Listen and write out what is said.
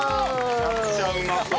めちゃくちゃうまそう。